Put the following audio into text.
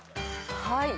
はい。